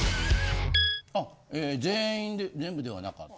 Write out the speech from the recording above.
え全員で全部ではなかった。